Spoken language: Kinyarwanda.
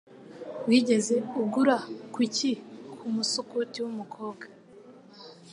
Wigeze ugura kuki kumusukuti wumukobwa?